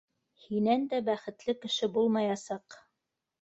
Һинән дә бәхетле кеше булмаясаҡ!